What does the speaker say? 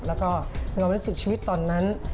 แล้วก็เรารู้สึกชีวิตตอนนั้น